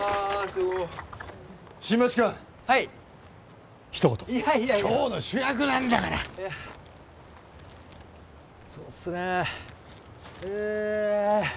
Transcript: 今日の主役なんだからそうっすねえ